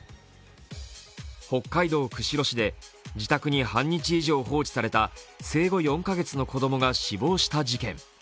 北海道釧路市で自宅に半日以上放置された生後４カ月の子供が死亡した事件。